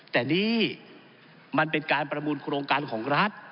แต่นี่มันเป็นการประมูลโครงการของรัฐ